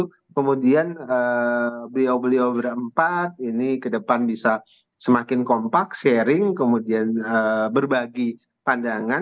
kemudian beliau beliau berempat ini ke depan bisa semakin kompak sharing kemudian berbagi pandangan